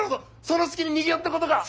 その隙に逃げようってことか！